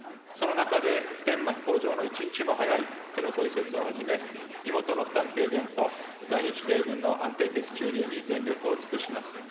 その中で普天間飛行場の一日も早い辺野古移設をはじめ、地元の負担軽減と在日米軍の安定的駐留に全力を尽くします。